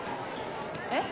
えっ？